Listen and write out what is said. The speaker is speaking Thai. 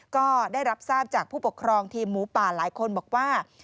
ก็ได้รับทราบจากผู้ปกครองทีมหมูป่าหลายคนบอกว่า